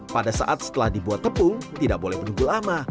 pada saat setelah dibuat tepung tidak boleh menunggu lama